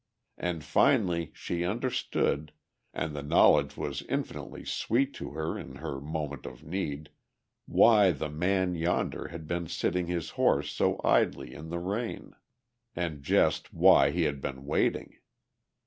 And finally she understood, and the knowledge was infinitely sweet to her in her moment of need, why the man yonder had been sitting his horse so idly in the rain, and just why he had been waiting.